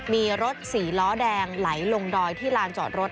มีรถ๔ล้อแดงไหลลงดอยที่ลานจอดรถ